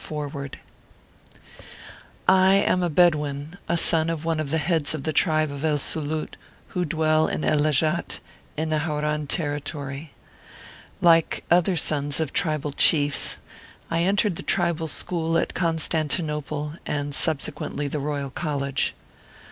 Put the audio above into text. FOREWORD I AM a Bedouin, a son of one of the Heads of the tribe of El Sulut, who dwell in El Lejat, in the Hauran territory. Like other sons of triba4 Chiefs, I entered the Tribal School at Constanti nople, and subsequently the Royal College.